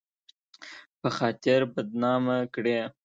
په خاطر بدنامه کړي